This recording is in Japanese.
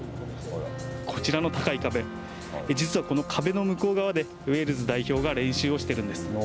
こちらの高い壁、実はこの壁の向こう側でウェールズ代表が練習をしているんです。